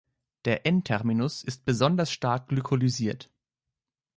Der N-Terminus ist besonders stark glykosyliert.